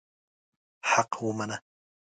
حق ومنه.